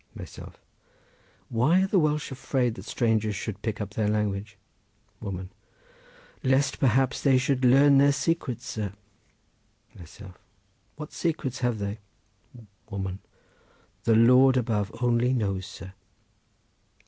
Myself.—Why are the Welsh afraid that strangers should pick up their language? Woman.—Lest, perhaps, they should learn their secrets, sir! Myself.—What secrets have they? Woman.—The Lord above only knows, sir!